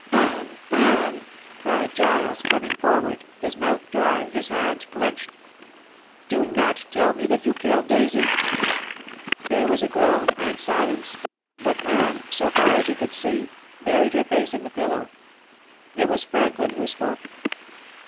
"Anne! Anne!" cried Giles, coming forward, his mouth dry, his hands clenched. "Do not tell me that you killed Daisy." There was a groan and silence, but Anne so far as he could see buried her face in the pillow. It was Franklin who spoke.